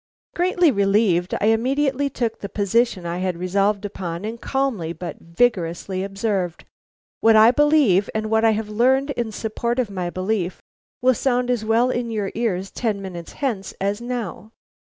Greatly relieved, I immediately took the position I had resolved upon, and calmly but vigorously observed: "What I believe, and what I have learned in support of my belief, will sound as well in your ears ten minutes hence as now.